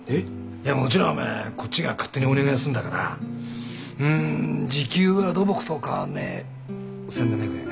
いやもちろんお前こっちが勝手にお願いすんだからん時給は土木と変わんねえ１，７００円。